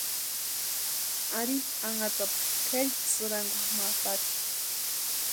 Ari anhatapu kʼeri sïrankwa ma patʼi.